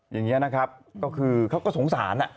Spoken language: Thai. อย่างนี้นะครับก็คือเขาก็สงสาร